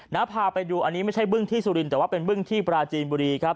พาไปดูอันนี้ไม่ใช่บึ้งที่สุรินแต่ว่าเป็นบึ้งที่ปราจีนบุรีครับ